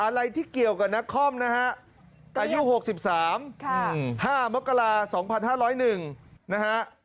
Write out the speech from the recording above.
อะไรที่เกี่ยวกับนักคอมนะฮะอายุ๖๓๕มกรา๒๕๐๑นะฮะ